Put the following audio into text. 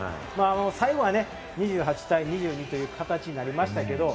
最後は２８対２２という形になりましたけれども。